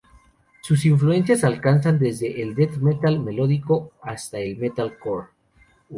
Sus influencias alcanzan desde el Death metal melódico hasta el Metalcore.